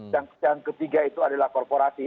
dan ketiga itu adalah korporasi